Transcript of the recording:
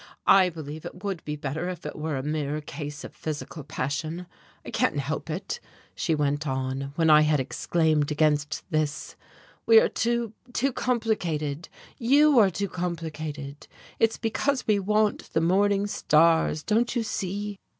I believe it would be better if it were a mere case of physical passion. I can't help it," she went on, when I had exclaimed against this, "we are too too complicated, you are too complicated. It's because we want the morning stars, don't you see?"